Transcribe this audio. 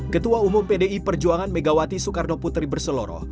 ketua umum pdi perjuangan megawati soekarno putri berseloroh